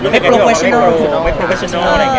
ไม่โปรแฟชั่นัล